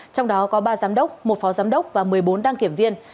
trong đó có ba giám đốc một phó giám đốc và một mươi bốn đăng kiểm viên